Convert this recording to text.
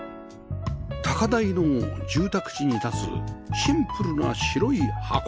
高台の住宅地に立つシンプルな白い箱